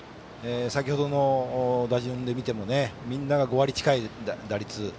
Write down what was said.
先程の打順で見てもみんなが５割近い打率。